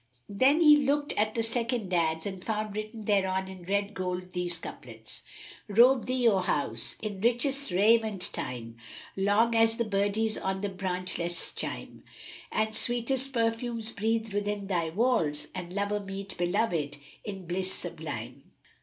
Then he looked at the second daďs and found written thereon in red gold these couplets, "Robe thee, O House, in richest raiment Time, * Long as the birdies on the branchlets chime! And sweetest perfumes breathe within thy walls * And lover meet beloved in bliss sublime.